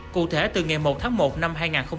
cụ thể từ ngày một tháng một năm hai nghìn hai mươi